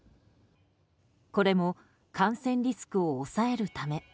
これも感染リスクを抑えるため。